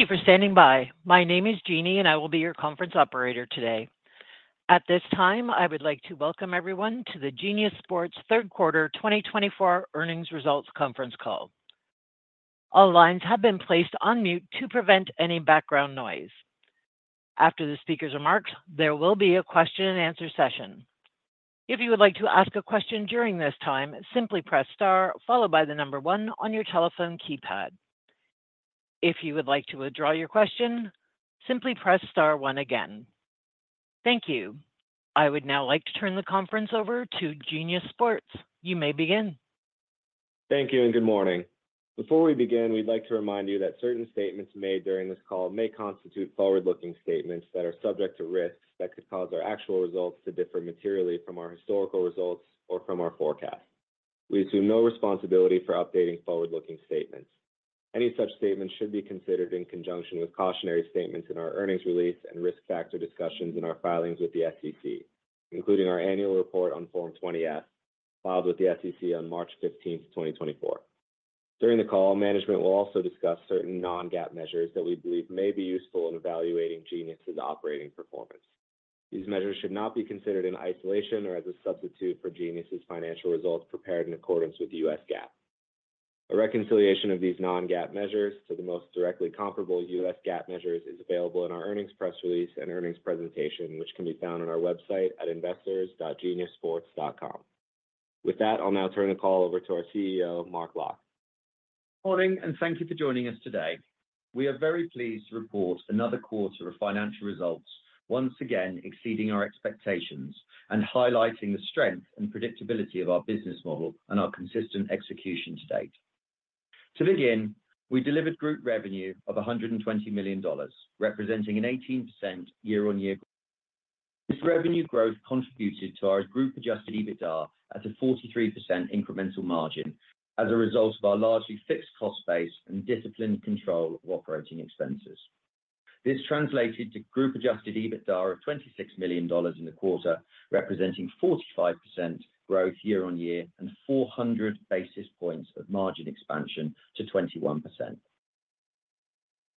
Thank you for standing by. My name is Jeannie, and I will be your conference operator today. At this time, I would like to welcome everyone to the Genius Sports Third Quarter 2024 Earnings Results Conference Call. All lines have been placed on mute to prevent any background noise. After the speakers are marked, there will be a question-and-answer session. If you would like to ask a question during this time, simply press star, followed by the number one on your telephone keypad. If you would like to withdraw your question, simply press star one again. Thank you. I would now like to turn the conference over to Genius Sports. You may begin. Thank you and good morning. Before we begin, we'd like to remind you that certain statements made during this call may constitute forward-looking statements that are subject to risks that could cause our actual results to differ materially from our historical results or from our forecast. We assume no responsibility for updating forward-looking statements. Any such statements should be considered in conjunction with cautionary statements in our earnings release and risk factor discussions in our filings with the SEC, including our annual report on Form 20-F filed with the SEC on March 15th, 2024. During the call, management will also discuss certain non-GAAP measures that we believe may be useful in evaluating Genius's operating performance. These measures should not be considered in isolation or as a substitute for Genius's financial results prepared in accordance with U.S. GAAP. A reconciliation of these non-GAAP measures to the most directly comparable U.S. GAAP measures is available in our earnings press release and earnings presentation, which can be found on our website at investors.geniussports.com. With that, I'll now turn the call over to our CEO, Mark Locke. Good morning and thank you for joining us today. We are very pleased to report another quarter of financial results once again exceeding our expectations and highlighting the strength and predictability of our business model and our consistent execution to date. To begin, we delivered group revenue of $120 million, representing an 18% year-on-year growth. This revenue growth contributed to our Group adjusted EBITDA at a 43% incremental margin as a result of our largely fixed cost base and disciplined control of operating expenses. This translated to Group adjusted EBITDA of $26 million in the quarter, representing 45% growth year-on-year and 400 basis points of margin expansion to 21%.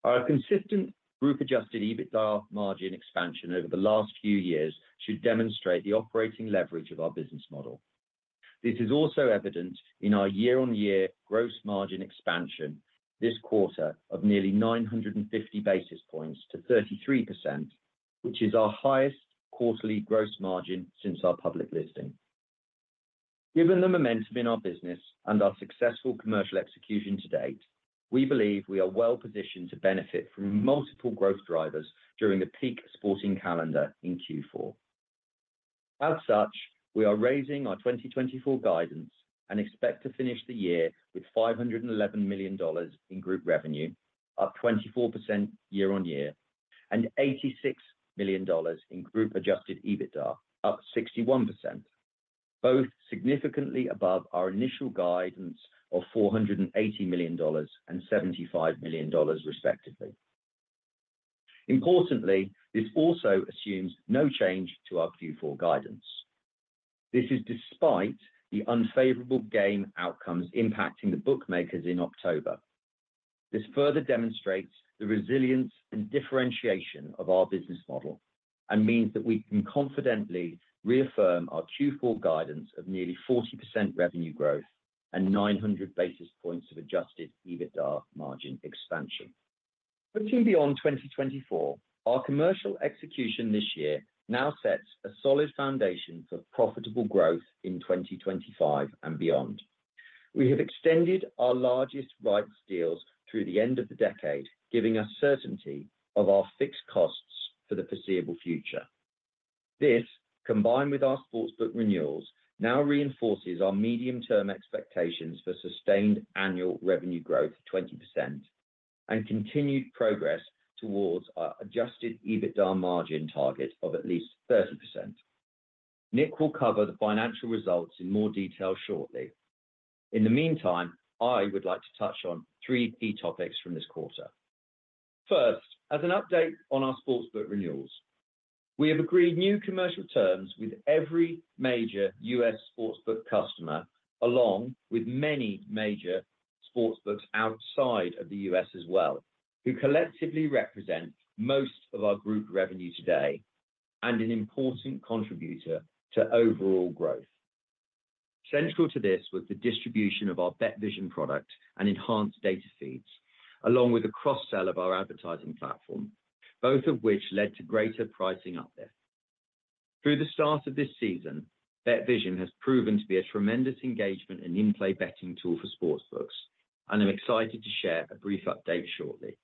Our consistent Group adjusted EBITDA margin expansion over the last few years should demonstrate the operating leverage of our business model. This is also evident in our year-on-year gross margin expansion this quarter of nearly 950 basis points to 33%, which is our highest quarterly gross margin since our public listing. Given the momentum in our business and our successful commercial execution to date, we believe we are well positioned to benefit from multiple growth drivers during the peak sporting calendar in Q4. As such, we are raising our 2024 guidance and expect to finish the year with $511 million in group revenue, up 24% year-on-year, and $86 million in Group adjusted EBITDA, up 61%, both significantly above our initial guidance of $480 million and $75 million, respectively. Importantly, this also assumes no change to our Q4 guidance. This is despite the unfavorable game outcomes impacting the bookmakers in October. This further demonstrates the resilience and differentiation of our business model and means that we can confidently reaffirm our Q4 guidance of nearly 40% revenue growth and 900 basis points of adjusted EBITDA margin expansion. Looking beyond 2024, our commercial execution this year now sets a solid foundation for profitable growth in 2025 and beyond. We have extended our largest rights deals through the end of the decade, giving us certainty of our fixed costs for the foreseeable future. This, combined with our sportsbook renewals, now reinforces our medium-term expectations for sustained annual revenue growth of 20% and continued progress towards our adjusted EBITDA margin target of at least 30%. Nick will cover the financial results in more detail shortly. In the meantime, I would like to touch on three key topics from this quarter. First, as an update on our sportsbook renewals, we have agreed new commercial terms with every major U.S. sportsbook customer, along with many major sportsbooks outside of the U.S. as well, who collectively represent most of our group revenue today and an important contributor to overall growth. Central to this was the distribution of our BetVision product and enhanced data feeds, along with the cross-sell of our advertising platform, both of which led to greater pricing uplift. Through the start of this season, BetVision has proven to be a tremendous engagement and in-play betting tool for sportsbooks, and I'm excited to share a brief update shortly.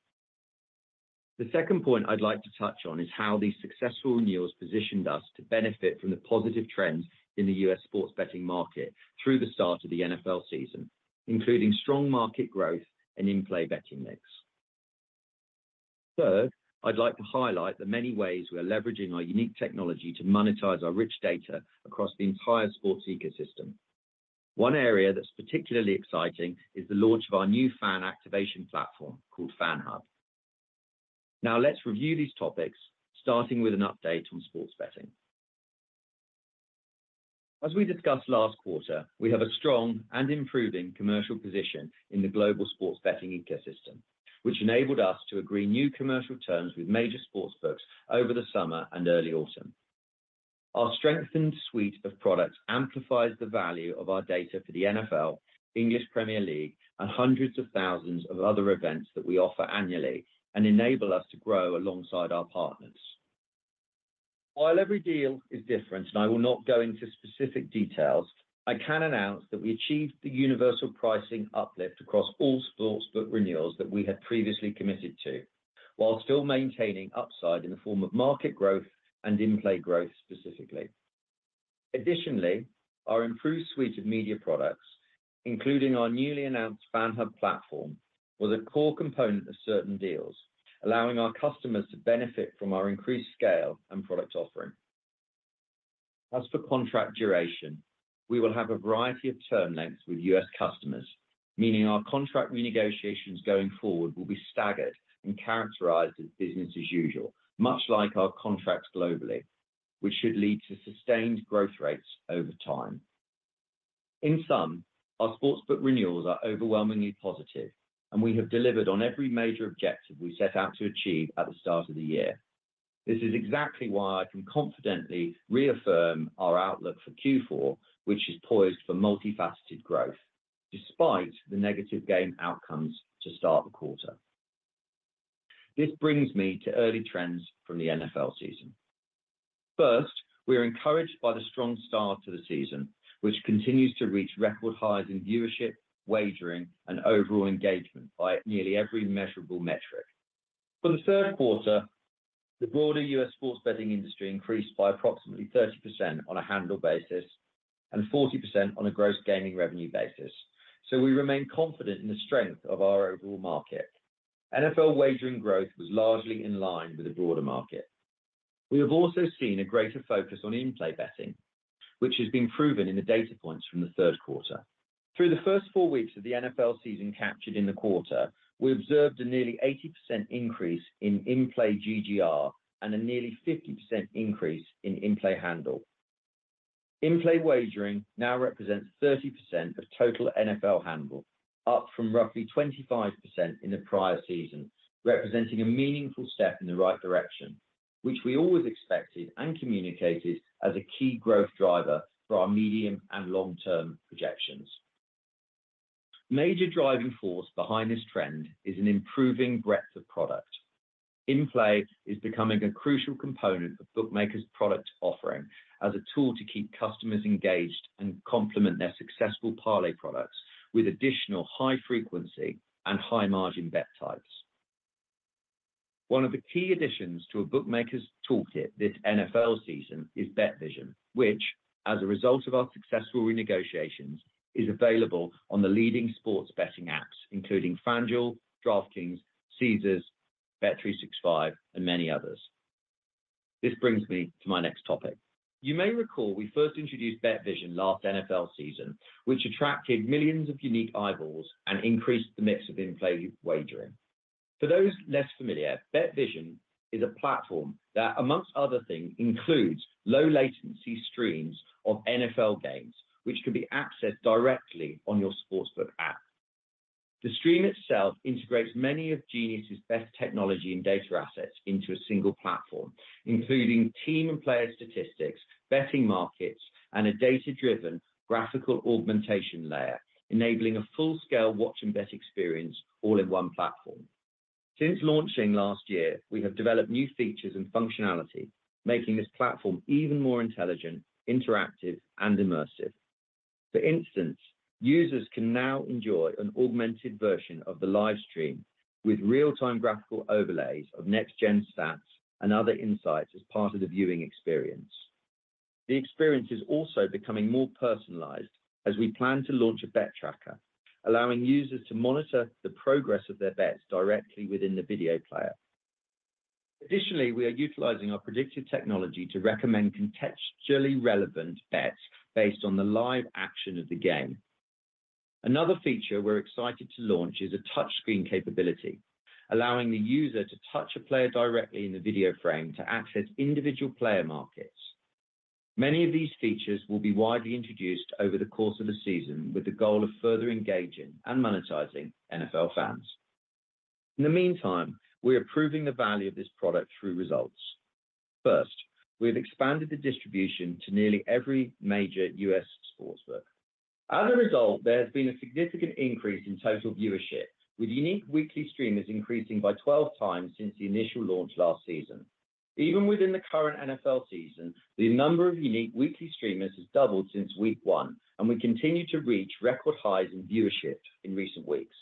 The second point I'd like to touch on is how these successful renewals positioned us to benefit from the positive trends in the U.S. sports betting market through the start of the NFL season, including strong market growth and in-play betting mix. Third, I'd like to highlight the many ways we're leveraging our unique technology to monetize our rich data across the entire sports ecosystem. One area that's particularly exciting is the launch of our new fan activation platform called FANHub. Now, let's review these topics, starting with an update on sports betting. As we discussed last quarter, we have a strong and improving commercial position in the global sports betting ecosystem, which enabled us to agree new commercial terms with major sportsbooks over the summer and early autumn. Our strengthened suite of products amplifies the value of our data for the NFL, English Premier League, and hundreds of thousands of other events that we offer annually and enable us to grow alongside our partners. While every deal is different, and I will not go into specific details, I can announce that we achieved the universal pricing uplift across all sportsbook renewals that we had previously committed to, while still maintaining upside in the form of market growth and in-play growth specifically. Additionally, our improved suite of media products, including our newly announced FANHub platform, was a core component of certain deals, allowing our customers to benefit from our increased scale and product offering. As for contract duration, we will have a variety of term lengths with U.S. customers, meaning our contract renegotiations going forward will be staggered and characterized as business as usual, much like our contracts globally, which should lead to sustained growth rates over time. In sum, our sportsbook renewals are overwhelmingly positive, and we have delivered on every major objective we set out to achieve at the start of the year. This is exactly why I can confidently reaffirm our outlook for Q4, which is poised for multifaceted growth, despite the negative game outcomes to start the quarter. This brings me to early trends from the NFL season. First, we are encouraged by the strong start to the season, which continues to reach record highs in viewership, wagering, and overall engagement by nearly every measurable metric. For the third quarter, the broader U.S. sports betting industry increased by approximately 30% on a handle basis and 40% on a gross gaming revenue basis. So we remain confident in the strength of our overall market. NFL wagering growth was largely in line with the broader market. We have also seen a greater focus on in-play betting, which has been proven in the data points from the third quarter. Through the first four weeks of the NFL season captured in the quarter, we observed a nearly 80% increase in in-play GGR and a nearly 50% increase in in-play handle. In-play wagering now represents 30% of total NFL handle, up from roughly 25% in the prior season, representing a meaningful step in the right direction, which we always expected and communicated as a key growth driver for our medium and long-term projections. Major driving force behind this trend is an improving breadth of product. In-play is becoming a crucial component of bookmakers' product offering as a tool to keep customers engaged and complement their successful parlay products with additional high-frequency and high-margin bet types. One of the key additions to a bookmakers' toolkit this NFL season is BetVision, which, as a result of our successful renegotiations, is available on the leading sports betting apps, including FanDuel, DraftKings, Caesars, bet365, and many others. This brings me to my next topic. You may recall we first introduced BetVision last NFL season, which attracted millions of unique eyeballs and increased the mix of in-play wagering. For those less familiar, BetVision is a platform that, among other things, includes low-latency streams of NFL games, which can be accessed directly on your sportsbook app. The stream itself integrates many of Genius's best technology and data assets into a single platform, including team and player statistics, betting markets, and a data-driven graphical augmentation layer, enabling a full-scale watch-and-bet experience all in one platform. Since launching last year, we have developed new features and functionality, making this platform even more intelligent, interactive, and immersive. For instance, users can now enjoy an augmented version of the live stream with real-time graphical overlays of Next Gen Stats and other insights as part of the viewing experience. The experience is also becoming more personalized as we plan to launch a bet tracker, allowing users to monitor the progress of their bets directly within the video player. Additionally, we are utilizing our predictive technology to recommend contextually relevant bets based on the live action of the game. Another feature we're excited to launch is a touchscreen capability, allowing the user to touch a player directly in the video frame to access individual player markets. Many of these features will be widely introduced over the course of the season with the goal of further engaging and monetizing NFL fans. In the meantime, we're proving the value of this product through results. First, we have expanded the distribution to nearly every major U.S. sportsbook. As a result, there has been a significant increase in total viewership, with unique weekly streamers increasing by 12 times since the initial launch last season. Even within the current NFL season, the number of unique weekly streamers has doubled since week one, and we continue to reach record highs in viewership in recent weeks.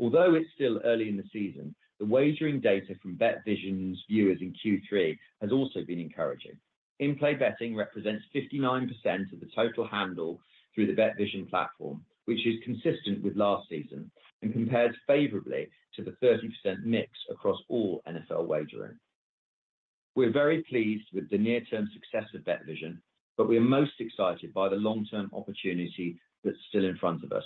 Although it's still early in the season, the wagering data from BetVision's viewers in Q3 has also been encouraging. In-play betting represents 59% of the total handle through the BetVision platform, which is consistent with last season and compares favorably to the 30% mix across all NFL wagering. We're very pleased with the near-term success of BetVision, but we are most excited by the long-term opportunity that's still in front of us,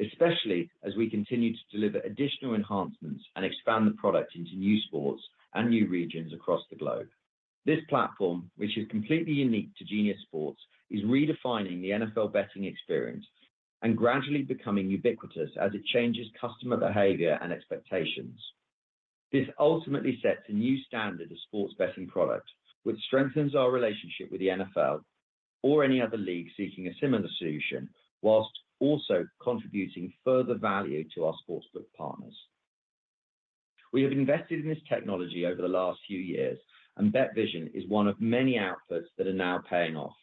especially as we continue to deliver additional enhancements and expand the product into new sports and new regions across the globe. This platform, which is completely unique to Genius Sports, is redefining the NFL betting experience and gradually becoming ubiquitous as it changes customer behavior and expectations. This ultimately sets a new standard of sports betting product, which strengthens our relationship with the NFL or any other league seeking a similar solution, whilst also contributing further value to our sportsbook partners. We have invested in this technology over the last few years, and BetVision is one of many outputs that are now paying off.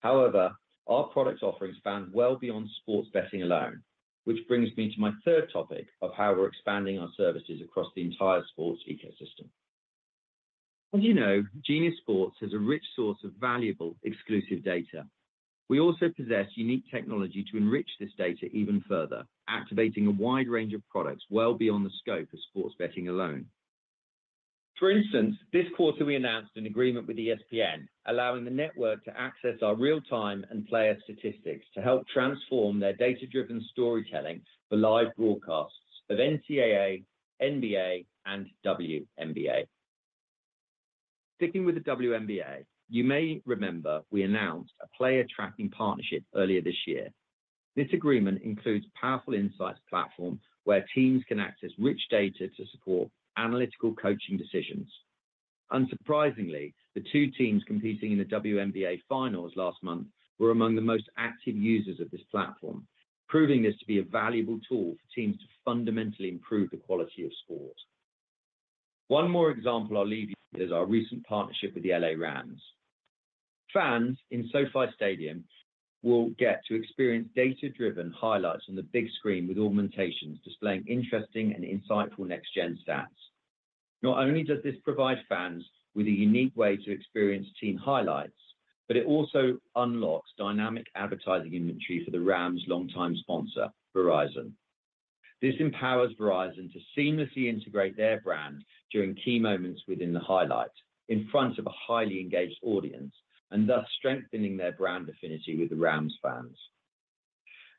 However, our product offerings span well beyond sports betting alone, which brings me to my third topic of how we're expanding our services across the entire sports ecosystem. As you know, Genius Sports has a rich source of valuable exclusive data. We also possess unique technology to enrich this data even further, activating a wide range of products well beyond the scope of sports betting alone. For instance, this quarter, we announced an agreement with ESPN, allowing the network to access our real-time and player statistics to help transform their data-driven storytelling for live broadcasts of NCAA, NBA, and WNBA. Sticking with the WNBA, you may remember we announced a player tracking partnership earlier this year. This agreement includes powerful insights platform, where teams can access rich data to support analytical coaching decisions. Unsurprisingly, the two teams competing in the WNBA Finals last month were among the most active users of this platform, proving this to be a valuable tool for teams to fundamentally improve the quality of sport. One more example I'll leave you with is our recent partnership with the L.A. Rams. Fans in SoFi Stadium will get to experience data-driven highlights on the big screen, with augmentations displaying interesting and insightful Next Gen Stats. Not only does this provide fans with a unique way to experience team highlights, but it also unlocks dynamic advertising inventory for the Rams' longtime sponsor, Verizon. This empowers Verizon to seamlessly integrate their brand during key moments within the highlight in front of a highly engaged audience, and thus strengthening their brand affinity with the Rams fans.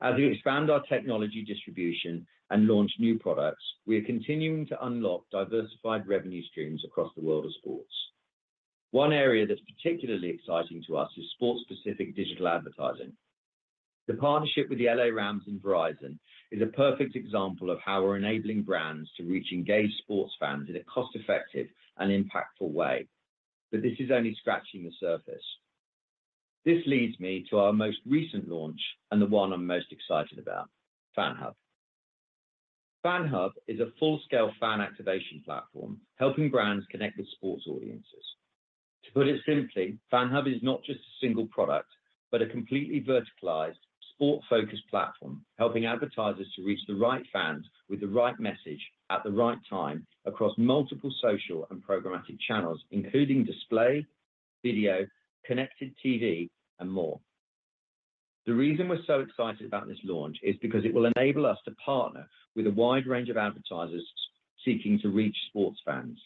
As we expand our technology distribution and launch new products, we are continuing to unlock diversified revenue streams across the world of sports. One area that's particularly exciting to us is sports-specific digital advertising. The partnership with the L.A. Rams and Verizon is a perfect example of how we're enabling brands to reach engaged sports fans in a cost-effective and impactful way, but this is only scratching the surface. This leads me to our most recent launch and the one I'm most excited about, FANHub. FANHub is a full-scale fan activation platform, helping brands connect with sports audiences. To put it simply, FANHub is not just a single product, but a completely verticalized sport-focused platform, helping advertisers to reach the right fans with the right message at the right time across multiple social and programmatic channels, including display, video, connected TV, and more. The reason we're so excited about this launch is because it will enable us to partner with a wide range of advertisers seeking to reach sports fans.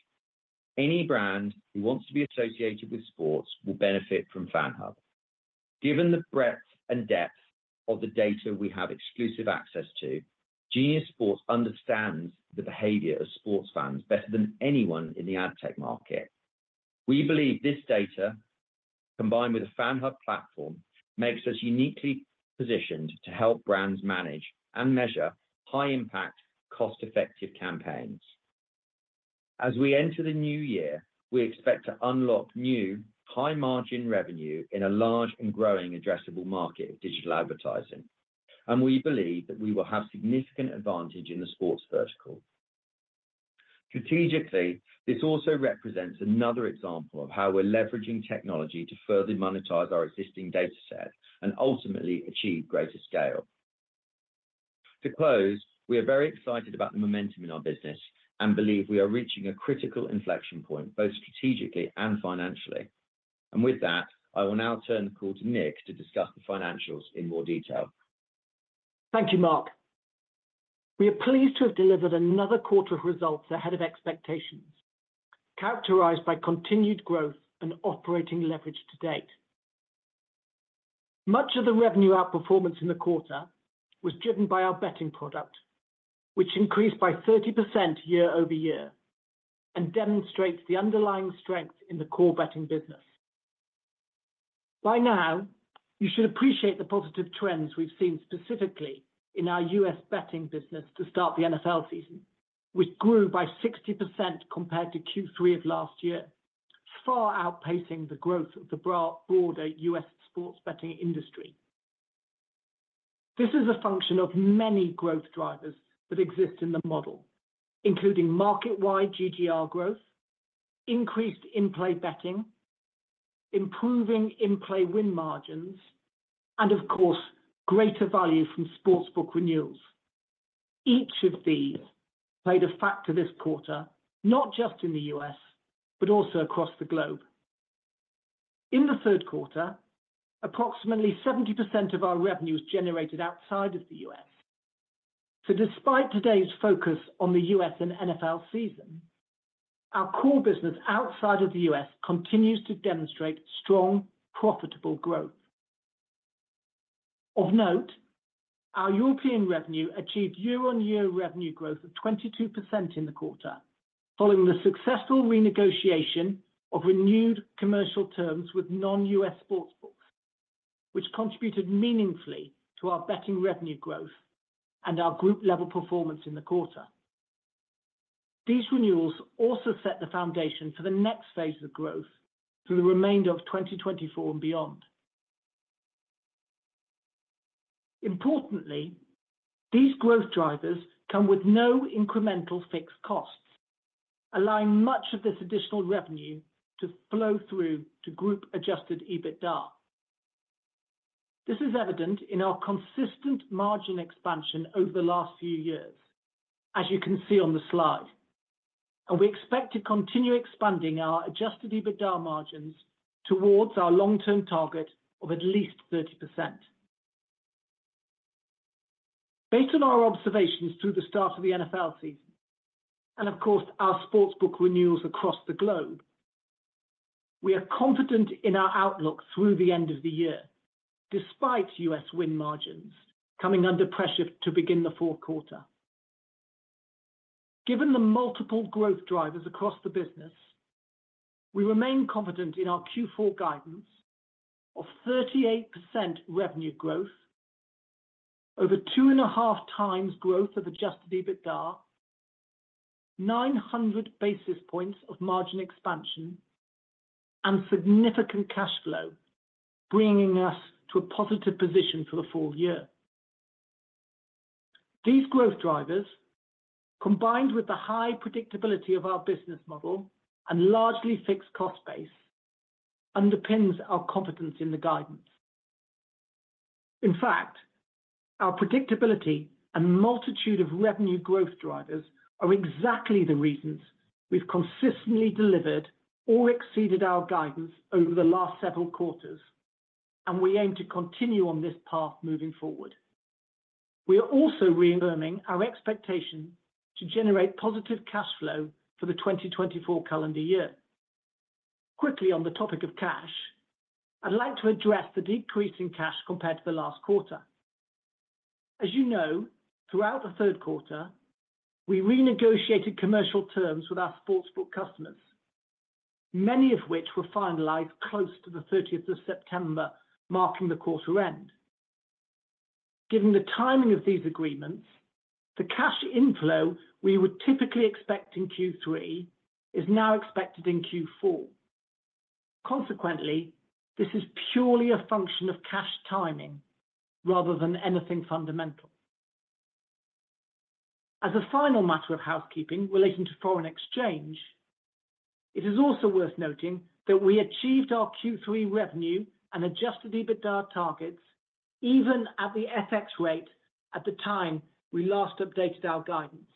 Any brand who wants to be associated with sports will benefit from FANHub. Given the breadth and depth of the data we have exclusive access to, Genius Sports understands the behavior of sports fans better than anyone in the ad tech market. We believe this data, combined with a FANHub platform, makes us uniquely positioned to help brands manage and measure high-impact, cost-effective campaigns. As we enter the new year, we expect to unlock new high-margin revenue in a large and growing addressable market of digital advertising, and we believe that we will have significant advantage in the sports vertical. Strategically, this also represents another example of how we're leveraging technology to further monetize our existing data set and ultimately achieve greater scale. To close, we are very excited about the momentum in our business and believe we are reaching a critical inflection point both strategically and financially. And with that, I will now turn the call to Nick to discuss the financials in more detail. Thank you, Mark. We are pleased to have delivered another quarter of results ahead of expectations, characterized by continued growth and operating leverage to date. Much of the revenue outperformance in the quarter was driven by our betting product, which increased by 30% year over year and demonstrates the underlying strength in the core betting business. By now, you should appreciate the positive trends we've seen specifically in our U.S. betting business to start the NFL season, which grew by 60% compared to Q3 of last year, far outpacing the growth of the broader U.S. sports betting industry. This is a function of many growth drivers that exist in the model, including market-wide GGR growth, increased in-play betting, improving in-play win margins, and of course, greater value from sportsbook renewals. Each of these played a factor this quarter, not just in the U.S., but also across the globe. In the third quarter, approximately 70% of our revenue was generated outside of the U.S. So despite today's focus on the U.S. and NFL season, our core business outside of the U.S. continues to demonstrate strong, profitable growth. Of note, our European revenue achieved year-over-year revenue growth of 22% in the quarter, following the successful renegotiation of renewed commercial terms with non-U.S. sportsbooks, which contributed meaningfully to our betting revenue growth and our group-level performance in the quarter. These renewals also set the foundation for the next phase of growth for the remainder of 2024 and beyond. Importantly, these growth drivers come with no incremental fixed costs, allowing much of this additional revenue to flow through to Group adjusted EBITDA. This is evident in our consistent margin expansion over the last few years, as you can see on the slide, and we expect to continue expanding our adjusted EBITDA margins towards our long-term target of at least 30%. Based on our observations through the start of the NFL season, and of course, our sportsbook renewals across the globe, we are confident in our outlook through the end of the year, despite U.S. win margins coming under pressure to begin the fourth quarter. Given the multiple growth drivers across the business, we remain confident in our Q4 guidance of 38% revenue growth, over two and a half times growth of adjusted EBITDA, 900 basis points of margin expansion, and significant cash flow, bringing us to a positive position for the full year. These growth drivers, combined with the high predictability of our business model and largely fixed cost base, underpin our confidence in the guidance. In fact, our predictability and multitude of revenue growth drivers are exactly the reasons we've consistently delivered or exceeded our guidance over the last several quarters, and we aim to continue on this path moving forward. We are also reaffirming our expectation to generate positive cash flow for the 2024 calendar year. Quickly, on the topic of cash, I'd like to address the decrease in cash compared to the last quarter. As you know, throughout the third quarter, we renegotiated commercial terms with our sportsbook customers, many of which were finalized close to the 30th of September, marking the quarter end. Given the timing of these agreements, the cash inflow we would typically expect in Q3 is now expected in Q4. Consequently, this is purely a function of cash timing rather than anything fundamental. As a final matter of housekeeping relating to foreign exchange, it is also worth noting that we achieved our Q3 revenue and Adjusted EBITDA targets even at the FX rate at the time we last updated our guidance,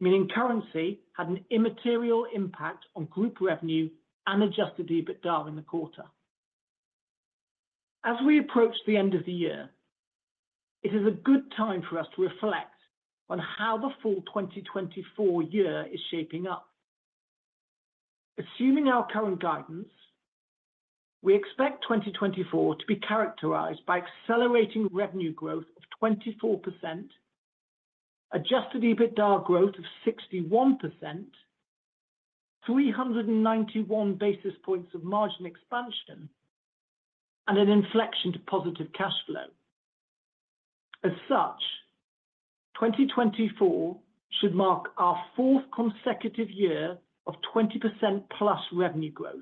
meaning currency had an immaterial impact on group revenue and Adjusted EBITDA in the quarter. As we approach the end of the year, it is a good time for us to reflect on how the full 2024 year is shaping up. Assuming our current guidance, we expect 2024 to be characterized by accelerating revenue growth of 24%, adjusted EBITDA growth of 61%, 391 basis points of margin expansion, and an inflection to positive cash flow. As such, 2024 should mark our fourth consecutive year of 20% plus revenue growth.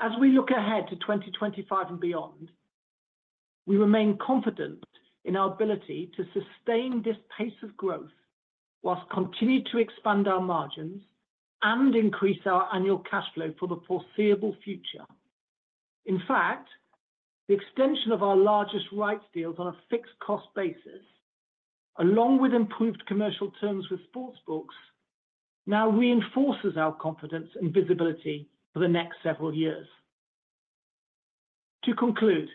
As we look ahead to 2025 and beyond, we remain confident in our ability to sustain this pace of growth while continuing to expand our margins and increase our annual cash flow for the foreseeable future. In fact, the extension of our largest rights deals on a fixed cost basis, along with improved commercial terms with sportsbooks, now reinforces our confidence and visibility for the next several years. To conclude,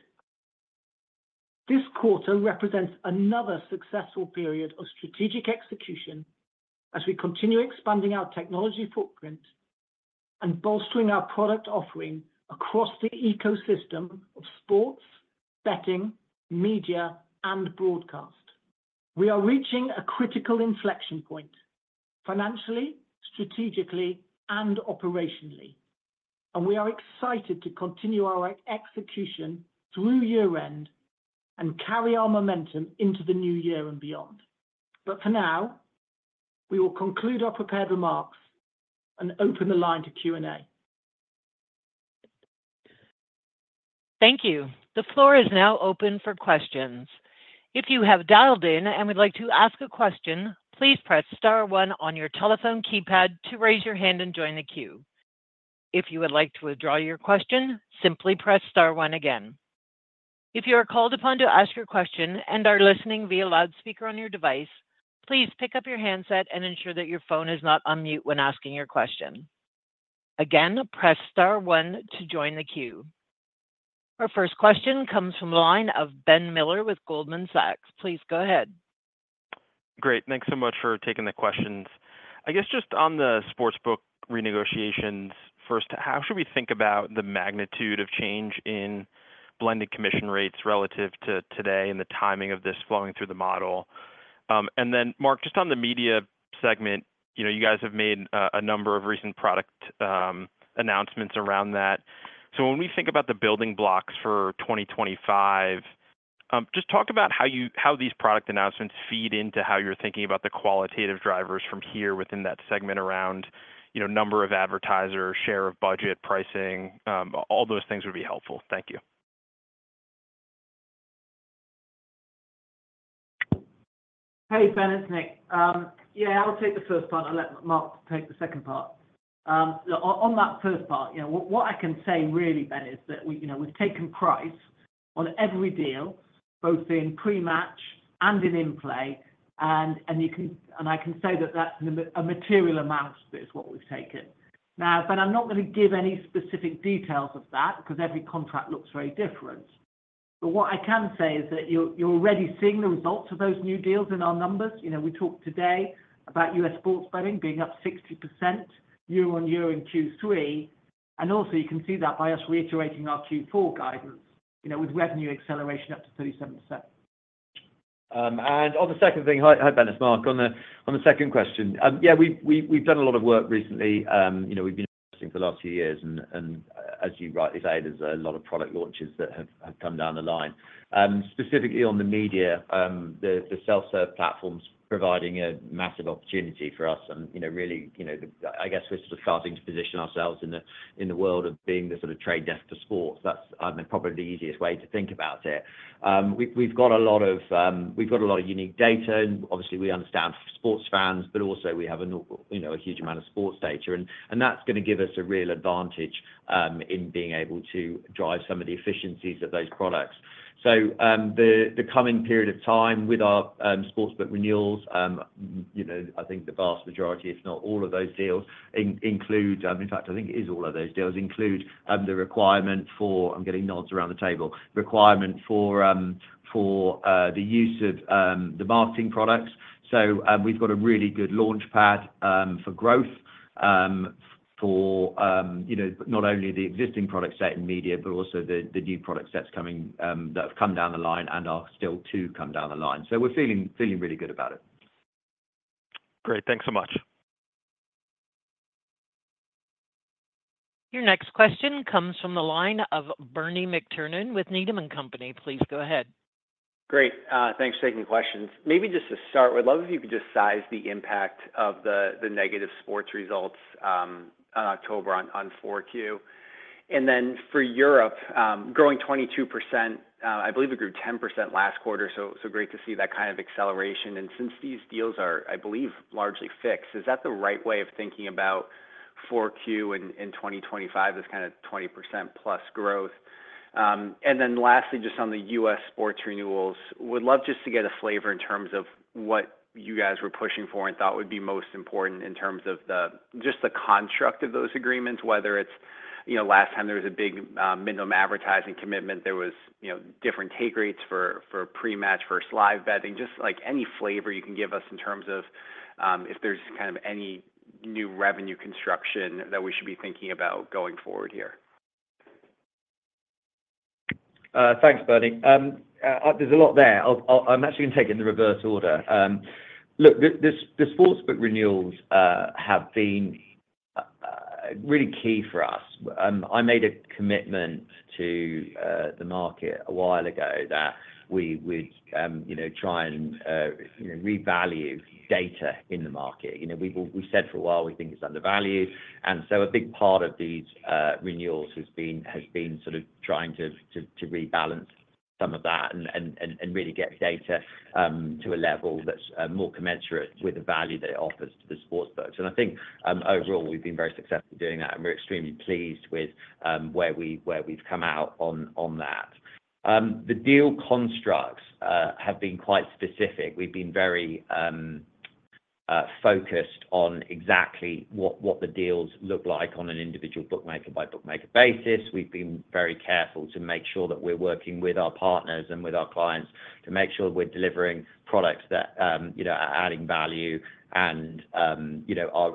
this quarter represents another successful period of strategic execution as we continue expanding our technology footprint and bolstering our product offering across the ecosystem of sports, betting, media, and broadcast. We are reaching a critical inflection point financially, strategically, and operationally, and we are excited to continue our execution through year-end and carry our momentum into the new year and beyond. But for now, we will conclude our prepared remarks and open the line to Q&A. Thank you. The floor is now open for questions. If you have dialed in and would like to ask a question, please press star one on your telephone keypad to raise your hand and join the queue. If you would like to withdraw your question, simply press star one again. If you are called upon to ask your question and are listening via loudspeaker on your device, please pick up your handset and ensure that your phone is not on mute when asking your question. Again, press star one to join the queue. Our first question comes from the line of Ben Miller with Goldman Sachs. Please go ahead. Great. Thanks so much for taking the questions. I guess just on the sportsbook renegotiations, first, how should we think about the magnitude of change in blended commission rates relative to today and the timing of this flowing through the model? And then, Mark, just on the media segment, you guys have made a number of recent product announcements around that. So when we think about the building blocks for 2025, just talk about how these product announcements feed into how you're thinking about the qualitative drivers from here within that segment around number of advertisers, share of budget, pricing, all those things would be helpful. Thank you. Hey, Ben, it's Nick. Yeah, I'll take the first part. I'll let Mark take the second part. On that first part, what I can say really, Ben, is that we've taken price on every deal, both in pre-match and in-play. And I can say that that's a material amount that is what we've taken. Now, Ben, I'm not going to give any specific details of that because every contract looks very different. But what I can say is that you're already seeing the results of those new deals in our numbers. We talked today about U.S. sports betting being up 60% year-on-year in Q3. And also, you can see that by us reiterating our Q4 guidance with revenue acceleration up to 37%. And on the second thing, hi, Ben, I'm Mark, on the second question, yeah, we've done a lot of work recently. We've been investing for the last few years. And as you rightly say, there's a lot of product launches that have come down the line. Specifically on the media, the self-serve platforms providing a massive opportunity for us. And really, I guess we're sort of starting to position ourselves in the world of being the sort of trade desk for sports. That's probably the easiest way to think about it. We've got a lot of unique data. And obviously, we understand sports fans, but also we have a huge amount of sports data. And that's going to give us a real advantage in being able to drive some of the efficiencies of those products. So the coming period of time with our sportsbook renewals, I think the vast majority, if not all of those deals include, in fact, I think it is all of those deals, include the requirement for, I'm getting nods around the table, requirement for the use of the marketing products. So we've got a really good launchpad for growth for not only the existing product set in media, but also the new product sets that have come down the line and are still to come down the line. So we're feeling really good about it. Great. Thanks so much. Your next question comes from the line of Bernie McTernan with Needham & Company. Please go ahead. Great. Thanks for taking the question. Maybe just to start, we'd love if you could just size the impact of the negative sports results on October on 4Q. And then for Europe, growing 22%, I believe it grew 10% last quarter. So great to see that kind of acceleration. And since these deals are, I believe, largely fixed, is that the right way of thinking about 4Q in 2025, this kind of 20% plus growth? And then lastly, just on the U.S. sports renewals, we'd love just to get a flavor in terms of what you guys were pushing for and thought would be most important in terms of just the construct of those agreements, whether it's last time there was a big minimum advertising commitment, there were different take rates for pre-match versus live betting, just any flavor you can give us in terms of if there's kind of any new revenue construction that we should be thinking about going forward here. Thanks, Bernie. There's a lot there. I'm actually going to take it in the reverse order. Look, the sportsbook renewals have been really key for us. I made a commitment to the market a while ago that we would try and revalue data in the market. We said for a while we think it's undervalued. A big part of these renewals has been sort of trying to rebalance some of that and really get data to a level that's more commensurate with the value that it offers to the sportsbooks. I think overall, we've been very successful doing that, and we're extremely pleased with where we've come out on that. The deal constructs have been quite specific. We've been very focused on exactly what the deals look like on an individual bookmaker-by-bookmaker basis. We've been very careful to make sure that we're working with our partners and with our clients to make sure we're delivering products that are adding value and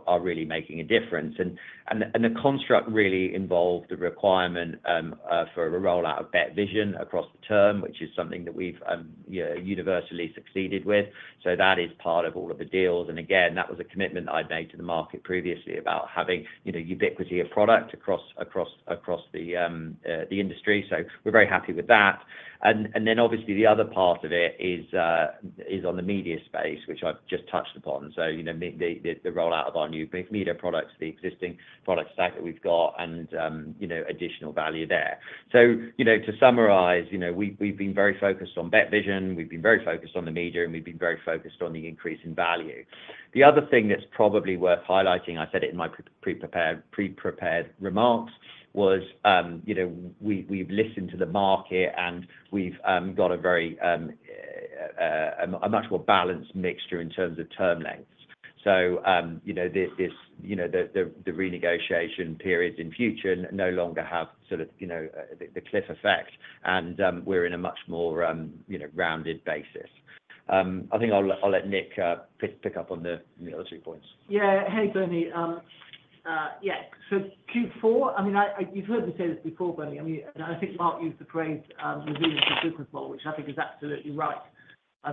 are really making a difference. The construct really involved the requirement for a rollout of BetVision across the term, which is something that we've universally succeeded with. That is part of all of the deals. And again, that was a commitment I'd made to the market previously about having ubiquity of product across the industry. So we're very happy with that. And then obviously, the other part of it is on the media space, which I've just touched upon. So the rollout of our new media products, the existing product stack that we've got, and additional value there. So to summarize, we've been very focused on BetVision. We've been very focused on the media, and we've been very focused on the increase in value. The other thing that's probably worth highlighting, I said it in my pre-prepared remarks, was we've listened to the market, and we've got a much more balanced mixture in terms of term lengths. So the renegotiation periods in future no longer have sort of the cliff effect, and we're in a much more rounded basis. I think I'll let Nick pick up on the other three points. Yeah. Hey, Bernie. Yeah, so Q4, I mean, you've heard me say this before, Bernie. I mean, and I think Mark used the phrase resilience and business model, which I think is absolutely right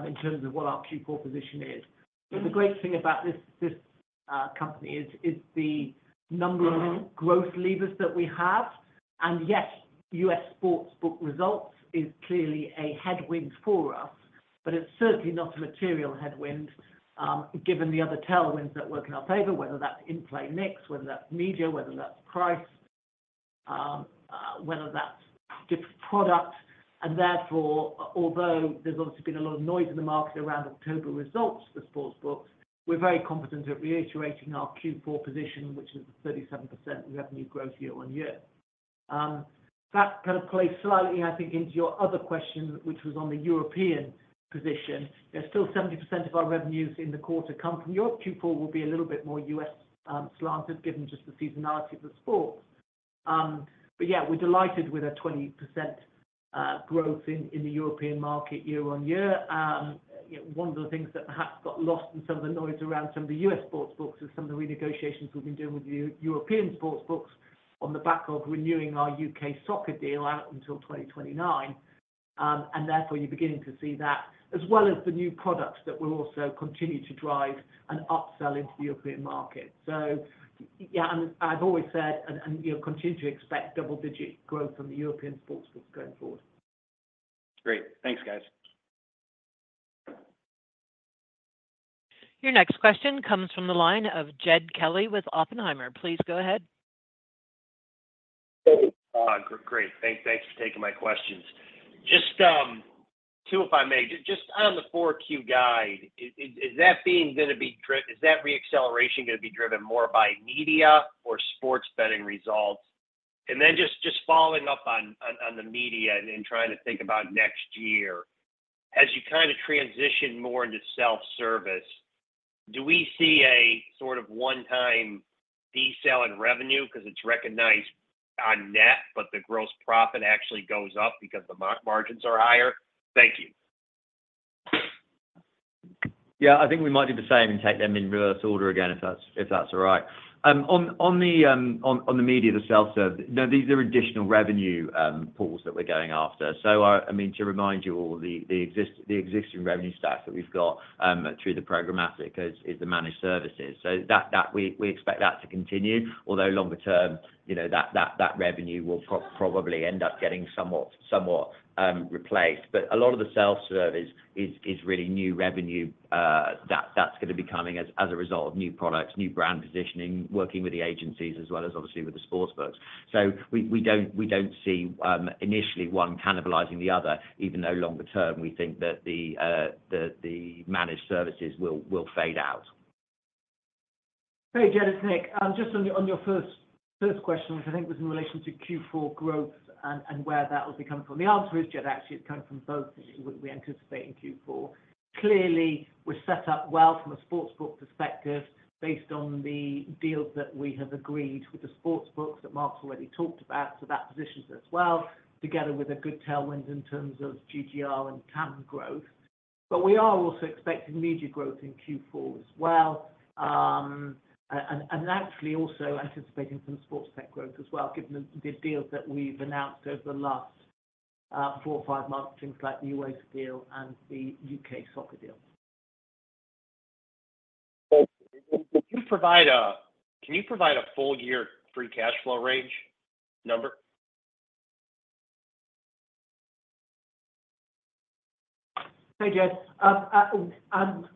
in terms of what our Q4 position is, but the great thing about this company is the number of growth levers that we have, and yes, U.S. sportsbook results is clearly a headwind for us, but it's certainly not a material headwind given the other tailwinds that work in our favor, whether that's in-play, mix, whether that's media, whether that's price, whether that's different products, and therefore, although there's obviously been a lot of noise in the market around October results for sportsbooks, we're very confident at reiterating our Q4 position, which is 37% revenue growth year-on-year. That kind of plays slightly, I think, into your other question, which was on the European position. There's still 70% of our revenues in the quarter come from Europe. Q4 will be a little bit more U.S.-slanted given just the seasonality of the sports. But yeah, we're delighted with a 20% growth in the European market year-on-year. One of the things that perhaps got lost in some of the noise around some of the U.S. sportsbooks is some of the renegotiations we've been doing with the European sportsbooks on the back of renewing our U.K. soccer deal out until 2029. And therefore, you're beginning to see that, as well as the new products that will also continue to drive an upsell into the European market. So yeah, and I've always said, and continue to expect double-digit growth on the European sportsbooks going forward. Great. Thanks, guys. Your next question comes from the line of Jed Kelly with Oppenheimer. Please go ahead. Hey. Great. Thanks for taking my questions. Just to, if I may, just on the 4Q guide, is that reacceleration going to be driven more by media or sports betting results? And then just following up on the media and trying to think about next year, as you kind of transition more into self-service, do we see a sort of one-time decel in revenue because it's recognized on net, but the gross profit actually goes up because the margins are higher? Thank you. Yeah. I think we might do the same and take them in reverse order again if that's all right. On the media, the self-serve, there are additional revenue pools that we're going after. So I mean, to remind you all, the existing revenue stack that we've got through the programmatic is the managed services. So we expect that to continue, although longer term, that revenue will probably end up getting somewhat replaced. But a lot of the self-service is really new revenue that's going to be coming as a result of new products, new brand positioning, working with the agencies, as well as obviously with the sportsbooks. So we don't see initially one cannibalizing the other, even though longer term, we think that the managed services will fade out. Hey, Jed, it's Nick, just on your first question, which I think was in relation to Q4 growth and where that will be coming from. The answer is, Jed, actually, it's coming from both that we anticipate in Q4. Clearly, we're set up well from a sportsbook perspective based on the deals that we have agreed with the sportsbooks that Mark's already talked about. So that positions us well together with a good tailwind in terms of GGR and TAM growth. But we are also expecting media growth in Q4 as well, and actually also anticipating some sports tech growth as well, given the deals that we've announced over the last four or five months, things like the U.S. deal and the U.K. soccer deal. Can you provide a full-year free cash flow range number? Hey, Jed.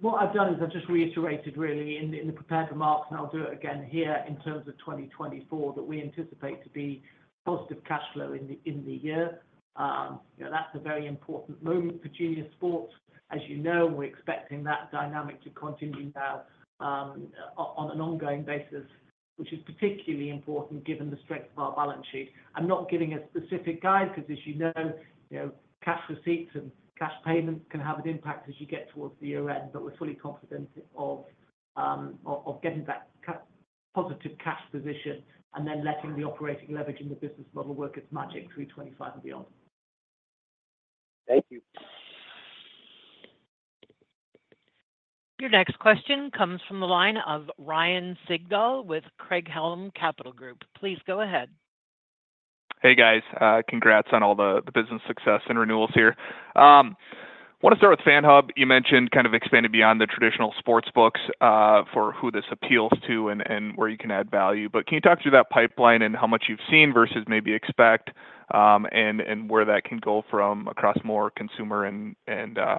What I've done is I've just reiterated really in the prepared remarks, and I'll do it again here in terms of 2024, that we anticipate to be positive cash flow in the year. That's a very important moment for Genius Sports, as you know, and we're expecting that dynamic to continue now on an ongoing basis, which is particularly important given the strength of our balance sheet. I'm not giving a specific guide because, as you know, cash receipts and cash payments can have an impact as you get towards the year-end, but we're fully confident of getting that positive cash position and then letting the operating leverage in the business model work its magic through 2025 and beyond. Thank you. Your next question comes from the line of Ryan Sigdahl with Craig-Hallum Capital Group. Please go ahead. Hey, guys. Congrats on all the business success and renewals here. I want to start with FANHub. You mentioned kind of expanding beyond the traditional sportsbooks for who this appeals to and where you can add value. But can you talk through that pipeline and how much you've seen versus maybe expect and where that can go from across more consumer and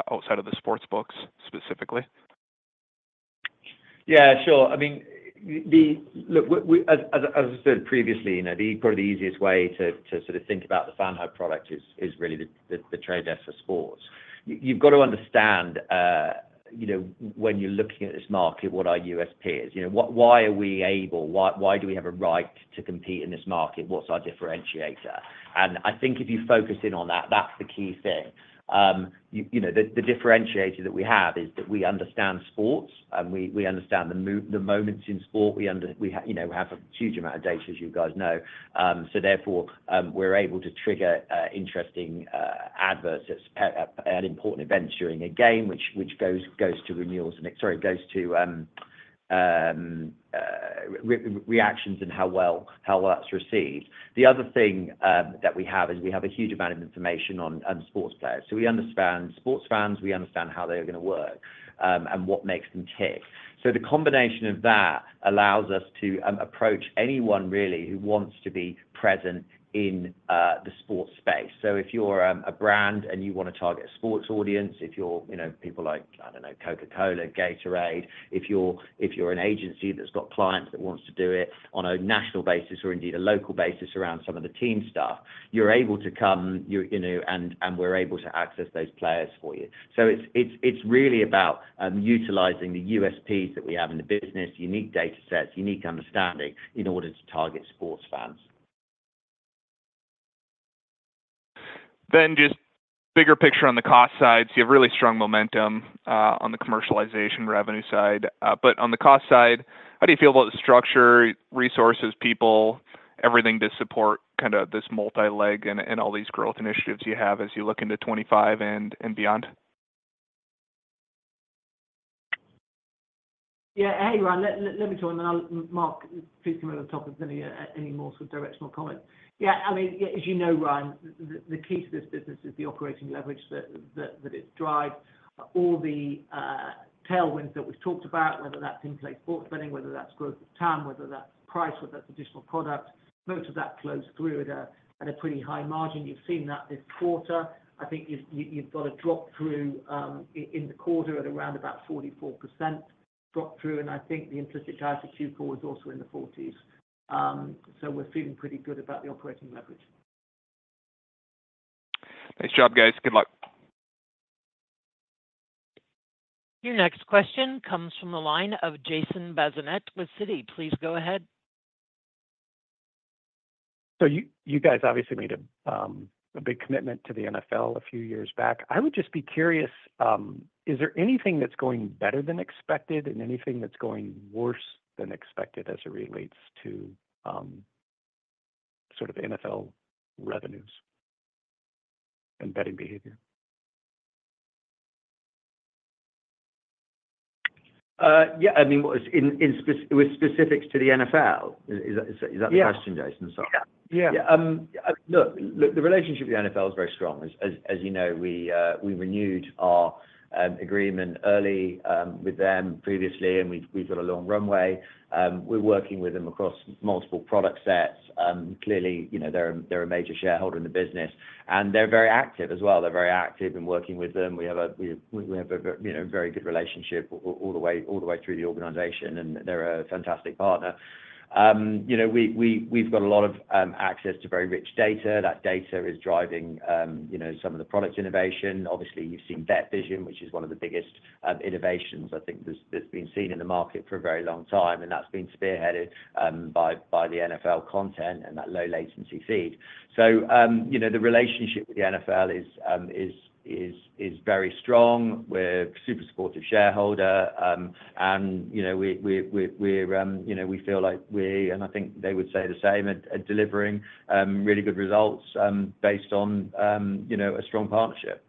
outside of the sportsbooks specifically? Yeah, sure. I mean, look, as I said previously, probably the easiest way to sort of think about the FANHub product is really the trade desk for sports. You've got to understand when you're looking at this market, what our USP is. Why are we able? Why do we have a right to compete in this market? What's our differentiator? And I think if you focus in on that, that's the key thing. The differentiator that we have is that we understand sports, and we understand the moments in sport. We have a huge amount of data, as you guys know. So therefore, we're able to trigger interesting adverts at important events during a game, which goes to renewals, and sorry, goes to reactions and how well that's received. The other thing that we have is we have a huge amount of information on sports players. So we understand sports fans. We understand how they're going to work and what makes them tick. So the combination of that allows us to approach anyone really who wants to be present in the sports space. So if you're a brand and you want to target a sports audience, if you're people like, I don't know, Coca-Cola, Gatorade, if you're an agency that's got clients that want to do it on a national basis or indeed a local basis around some of the team stuff, you're able to come, and we're able to access those players for you. So it's really about utilizing the USPs that we have in the business, unique data sets, unique understanding in order to target sports fans. Then just bigger picture on the cost side. So you have really strong momentum on the commercialization revenue side. But on the cost side, how do you feel about the structure, resources, people, everything to support kind of this multi-leg and all these growth initiatives you have as you look into 2025 and beyond? Yeah. Hey, Ryan, let me join, and then I'll ask Mark if he can come over the top of any more sort of directional comments. Yeah. I mean, as you know, Ryan, the key to this business is the operating leverage that it's drive. All the tailwinds that we've talked about, whether that's in-play sports betting, whether that's growth of TAM, whether that's price, whether that's additional product, most of that flows through at a pretty high margin. You've seen that this quarter. I think you've got a drop through in the quarter at around about 44% drop through, and I think the implicit guide for Q4 is also in the 40s%. So we're feeling pretty good about the operating leverage. Nice job, guys. Good luck. Your next question comes from the line of Jason Bazinet with Citi. Please go ahead. So you guys obviously made a big commitment to the NFL a few years back. I would just be curious, is there anything that's going better than expected and anything that's going worse than expected as it relates to sort of NFL revenues and betting behavior? Yeah. I mean, with specifics to the NFL. Is that the question, Jason? Yeah. Yeah. Look, the relationship with the NFL is very strong. As you know, we renewed our agreement early with them previously, and we've got a long runway. We're working with them across multiple product sets. Clearly, they're a major shareholder in the business, and they're very active as well. They're very active in working with them. We have a very good relationship all the way through the organization, and they're a fantastic partner. We've got a lot of access to very rich data. That data is driving some of the product innovation. Obviously, you've seen BetVision, which is one of the biggest innovations I think that's been seen in the market for a very long time, and that's been spearheaded by the NFL content and that low-latency feed. So the relationship with the NFL is very strong. We're a super supportive shareholder, and we feel like we're, and I think they would say the same, at delivering really good results based on a strong partnership.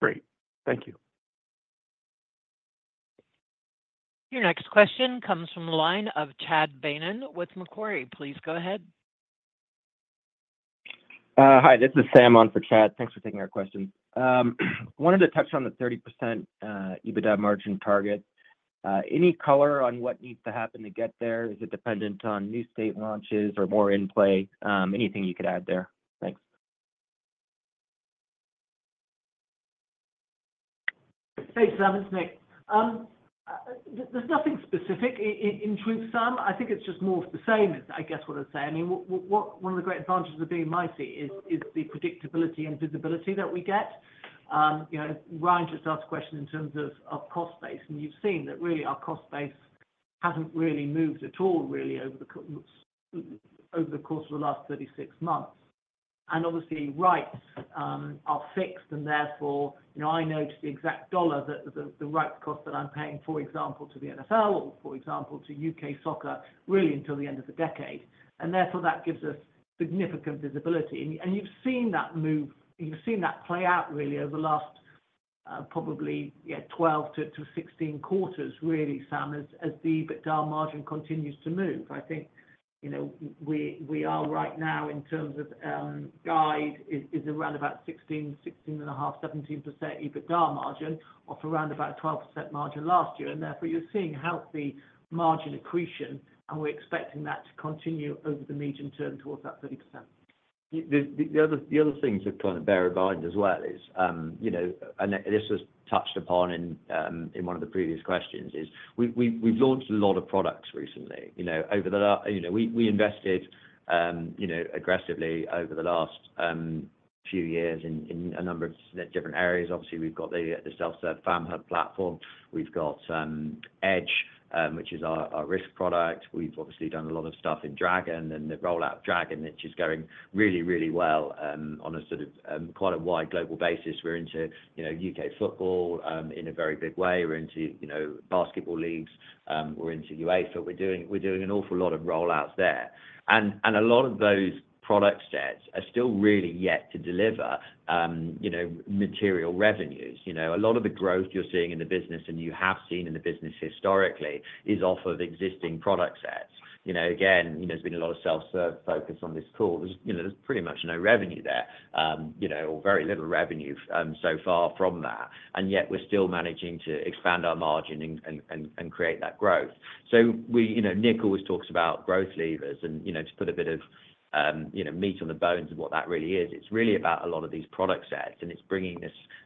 Great. Thank you. Your next question comes from the line of Chad Beynon with Macquarie. Please go ahead. Hi. This is Sam on for Chad. Thanks for taking our questions. Wanted to touch on the 30% EBITDA margin target. Any color on what needs to happen to get there? Is it dependent on new state launches or more in-play? Anything you could add there? Thanks. Hey, Sam. It's Nick. There's nothing specific in truth, Sam. I think it's just more of the same, I guess, what I'd say. I mean, one of the great advantages of being in my seat is the predictability and visibility that we get. Ryan just asked a question in terms of cost base, and you've seen that really our cost base hasn't really moved at all really over the course of the last 36 months. Obviously, rights are fixed, and therefore, I know to the exact dollar that the rights cost that I'm paying, for example, to the NFL or, for example, to U.K. soccer really until the end of the decade. Therefore, that gives us significant visibility. You've seen that move. You've seen that play out really over the last probably 12-16 quarters really, Sam, as the EBITDA margin continues to move. I think we are right now in terms of guide is around about 16, 16.5, 17% EBITDA margin off around about a 12% margin last year. And therefore, you're seeing healthy margin accretion, and we're expecting that to continue over the medium term towards that 30%. The other things that kind of bear in mind as well is, and this was touched upon in one of the previous questions, is we've launched a lot of products recently. We invested aggressively over the last few years in a number of different areas. Obviously, we've got the self-serve FANHub platform. We've got Edge, which is our risk product. We've obviously done a lot of stuff in Dragon and the rollout of Dragon, which is going really, really well on a sort of quite a wide global basis. We're into U.K. football in a very big way. We're into basketball leagues. We're into UEFA. We're doing an awful lot of rollouts there. And a lot of those product sets are still really yet to deliver material revenues. A lot of the growth you're seeing in the business and you have seen in the business historically is off of existing product sets. Again, there's been a lot of self-serve focus on this call. There's pretty much no revenue there or very little revenue so far from that. And yet, we're still managing to expand our margin and create that growth. So Nick always talks about growth levers and to put a bit of meat on the bones of what that really is. It's really about a lot of these product sets, and it's bringing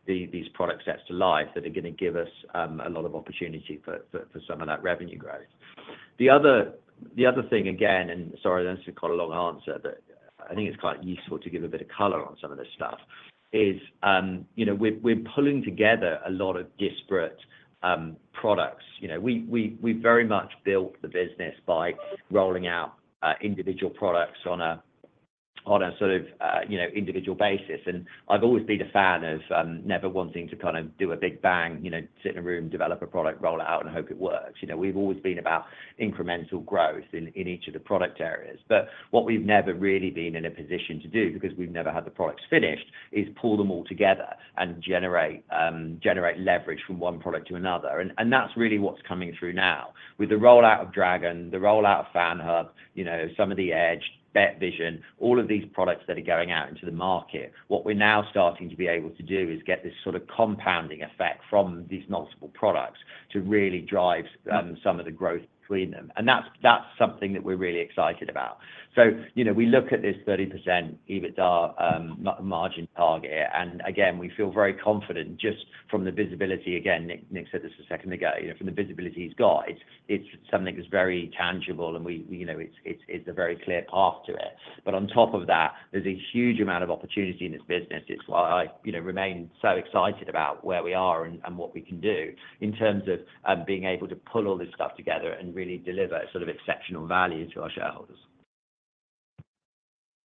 these product sets to life that are going to give us a lot of opportunity for some of that revenue growth. The other thing, again, and sorry, this is quite a long answer, but I think it's quite useful to give a bit of color on some of this stuff, is we're pulling together a lot of disparate products. We've very much built the business by rolling out individual products on a sort of individual basis. And I've always been a fan of never wanting to kind of do a big bang, sit in a room, develop a product, roll it out, and hope it works. We've always been about incremental growth in each of the product areas. But what we've never really been in a position to do because we've never had the products finished is pull them all together and generate leverage from one product to another. And that's really what's coming through now. With the rollout of Dragon, the rollout of FANHub, some of the Edge, BetVision, all of these products that are going out into the market, what we're now starting to be able to do is get this sort of compounding effect from these multiple products to really drive some of the growth between them. And that's something that we're really excited about. So we look at this 30% EBITDA margin target, and again, we feel very confident just from the visibility. Again, Nick said this a second ago. From the visibility he's got, it's something that's very tangible, and it's a very clear path to it. But on top of that, there's a huge amount of opportunity in this business. It's why I remain so excited about where we are and what we can do in terms of being able to pull all this stuff together and really deliver sort of exceptional value to our shareholders.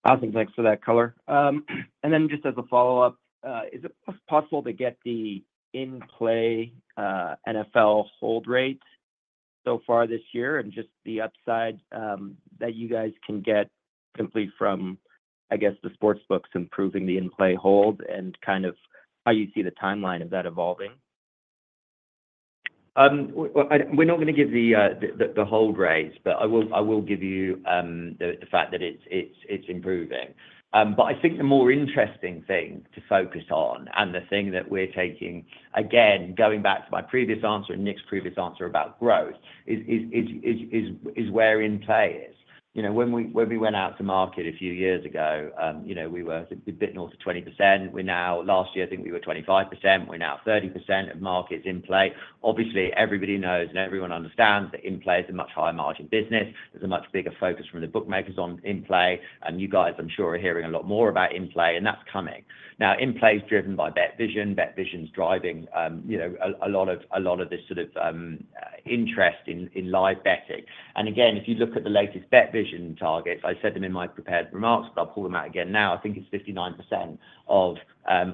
Awesome. Thanks for that color. And then just as a follow-up, is it possible to get the in-play NFL hold rate so far this year and just the upside that you guys can get simply from, I guess, the sportsbooks improving the in-play hold and kind of how you see the timeline of that evolving? We're not going to give the hold rate, but I will give you the fact that it's improving. But I think the more interesting thing to focus on and the thing that we're taking, again, going back to my previous answer and Nick's previous answer about growth, is where in-play is. When we went out to market a few years ago, we were a bit north of 20%. Last year, I think we were 25%. We're now 30% of markets in play. Obviously, everybody knows and everyone understands that in-play is a much higher margin business. There's a much bigger focus from the bookmakers on in-play. And you guys, I'm sure, are hearing a lot more about in-play, and that's coming. Now, in-play is driven by BetVision. BetVision's driving a lot of this sort of interest in live betting. And again, if you look at the latest BetVision targets, I said them in my prepared remarks, but I'll pull them out again now. I think it's 59% of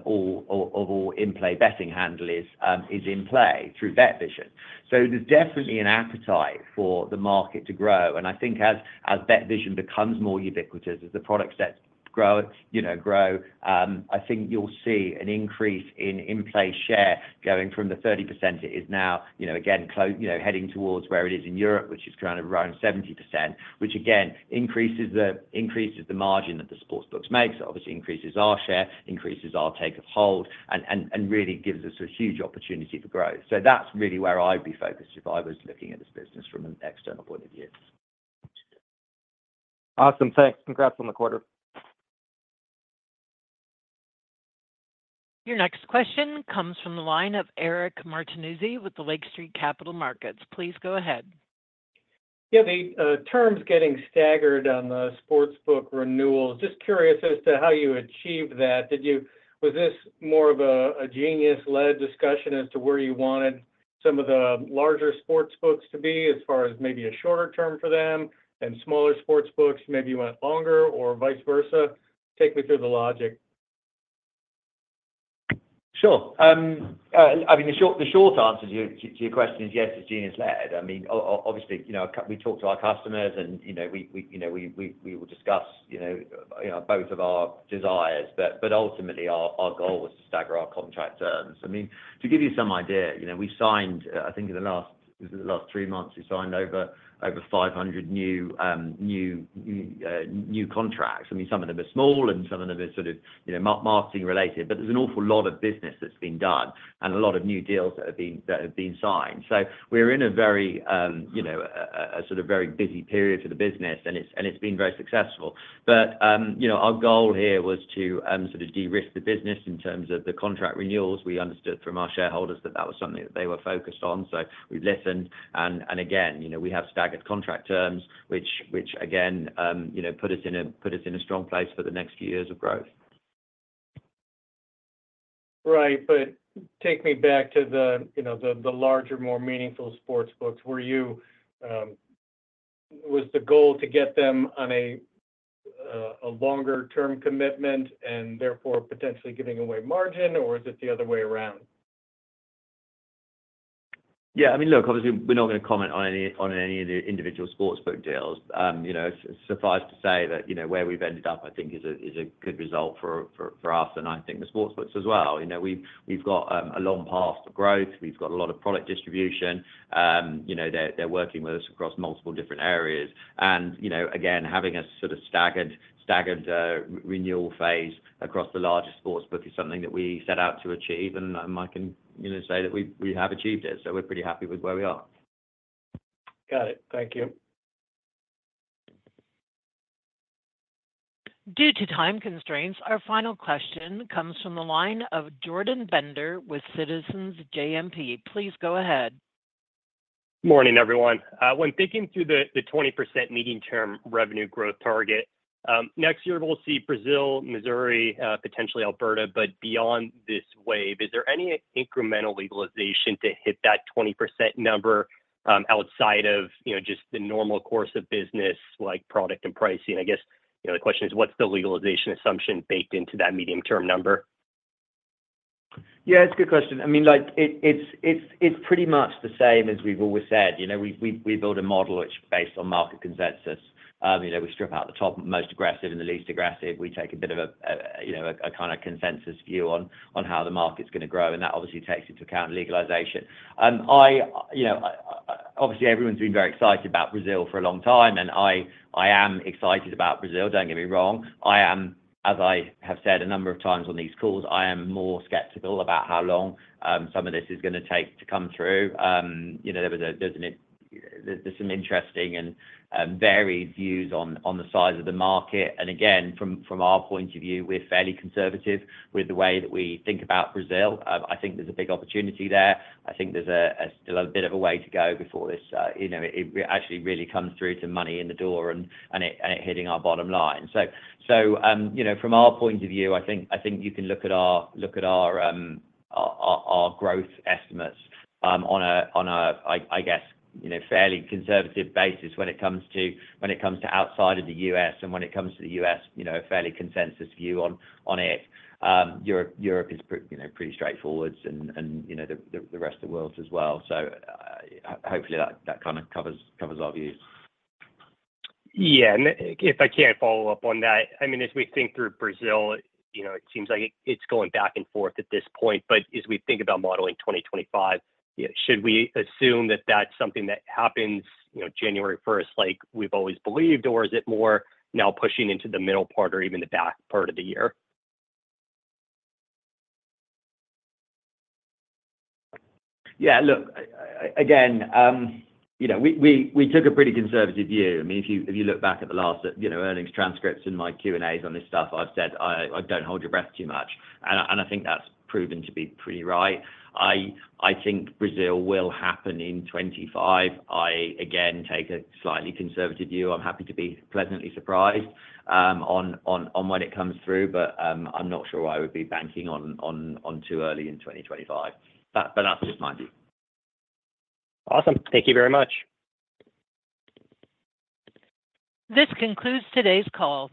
all in-play betting handle is in-play through BetVision. So there's definitely an appetite for the market to grow. I think as BetVision becomes more ubiquitous, as the product sets grow, I think you'll see an increase in in-play share going from the 30% that is now, again, heading towards where it is in Europe, which is kind of around 70%, which again, increases the margin that the sportsbooks makes, obviously increases our share, increases our take of hold, and really gives us a huge opportunity for growth. So that's really where I'd be focused if I was looking at this business from an external point of view. Awesome. Thanks. Congrats on the quarter. Your next question comes from the line of Eric Martinuzzi with the Lake Street Capital Markets. Please go ahead. Yeah. The term's getting staggered on the sportsbook renewal. Just curious as to how you achieved that. Was this more of a Genius-led discussion as to where you wanted some of the larger sportsbooks to be as far as maybe a shorter term for them and smaller sportsbooks maybe went longer or vice versa? Take me through the logic. Sure. I mean, the short answer to your question is yes, it's Genius-led. I mean, obviously, we talk to our customers, and we will discuss both of our desires, but ultimately, our goal was to stagger our contract terms. I mean, to give you some idea, we signed, I think in the last three months, we signed over 500 new contracts. I mean, some of them are small, and some of them are sort of marketing-related, but there's an awful lot of business that's been done and a lot of new deals that have been signed. So we're in a very sort of busy period for the business, and it's been very successful. But our goal here was to sort of de-risk the business in terms of the contract renewals. We understood from our shareholders that that was something that they were focused on. So we've listened. And again, we have staggered contract terms, which again, put us in a strong place for the next few years of growth. Right. But take me back to the larger, more meaningful sportsbooks. Was the goal to get them on a longer-term commitment and therefore potentially giving away margin, or is it the other way around? Yeah. I mean, look, obviously, we're not going to comment on any of the individual sportsbook deals. Suffice to say that where we've ended up, I think, is a good result for us and I think the sportsbooks as well. We've got a long path to growth. We've got a lot of product distribution. They're working with us across multiple different areas. And again, having a sort of staggered renewal phase across the larger sportsbook is something that we set out to achieve, and I can say that we have achieved it. So we're pretty happy with where we are. Got it. Thank you. Due to time constraints, our final question comes from the line of Jordan Bender with Citizens JMP. Please go ahead. Morning, everyone. When thinking through the 20% medium-term revenue growth target, next year, we'll see Brazil, Missouri, potentially Alberta, but beyond this wave, is there any incremental legalization to hit that 20% number outside of just the normal course of business like product and pricing? I guess the question is, what's the legalization assumption baked into that medium-term number? Yeah. It's a good question. I mean, it's pretty much the same as we've always said. We build a model which is based on market consensus. We strip out the top most aggressive and the least aggressive. We take a bit of a kind of consensus view on how the market's going to grow, and that obviously takes into account legalization. Obviously, everyone's been very excited about Brazil for a long time, and I am excited about Brazil. Don't get me wrong. As I have said a number of times on these calls, I am more skeptical about how long some of this is going to take to come through. There's some interesting and varied views on the size of the market. And again, from our point of view, we're fairly conservative with the way that we think about Brazil. I think there's a big opportunity there. I think there's still a bit of a way to go before this actually really comes through to money in the door and it hitting our bottom line. So from our point of view, I think you can look at our growth estimates on a, I guess, fairly conservative basis when it comes to outside of the U.S. and when it comes to the U.S., a fairly consensus view on it. Europe is pretty straightforward and the rest of the world as well. So hopefully, that kind of covers our views. Yeah. And if I can follow up on that, I mean, as we think through Brazil, it seems like it's going back and forth at this point. But as we think about modeling 2025, should we assume that that's something that happens January 1st like we've always believed, or is it more now pushing into the middle part or even the back part of the year? Yeah. Look, again, we took a pretty conservative view. I mean, if you look back at the last earnings transcripts in my Q&As on this stuff, I've said, "I don't hold your breath too much." And I think that's proven to be pretty right. I think Brazil will happen in 2025. I, again, take a slightly conservative view. I'm happy to be pleasantly surprised on when it comes through, but I'm not sure I would be banking on too early in 2025. But that's just my view. Awesome. Thank you very much. This concludes today's call.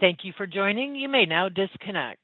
Thank you for joining. You may now disconnect.